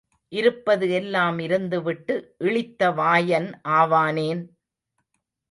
இருப்பது எல்லாம் இருந்துவிட்டு இளித்த வாயன் ஆவானேன்?